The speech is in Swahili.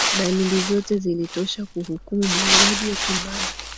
dalili zote zilitosha kuhukumu mauaji ya kimbari